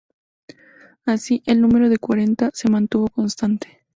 Así, el número de cuarenta se mantuvo constante.